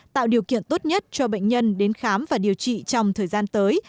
tạo điều kiện tốt nhất cho bệnh nhân đến khám và điều trị trong thời gian tới